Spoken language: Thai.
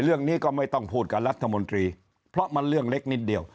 เรื่องนี้ก็ไม่ต้องพูดกับรัฐมนตรีเพราะมันเรื่องเล็กนิดเดียว